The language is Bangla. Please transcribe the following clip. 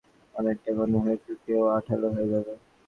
কিছুক্ষণ জ্বাল দেওয়ার পরই গুড় অনেকটা ঘন হয়ে শুকিয়ে ও আঠালো হয়ে যাবে।